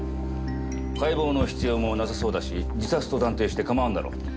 解剖の必要もなさそうだし自殺と断定して構わんだろう。